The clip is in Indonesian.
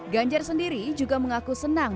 ganjar sendiri juga mengaku senang